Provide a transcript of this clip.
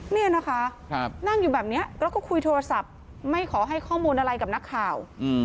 นี่นะคะนั่งอยู่แบบนี้แล้วก็คุยโทรศัพท์ไม่ขอให้ข้อมูลอะไรกับนักข่าว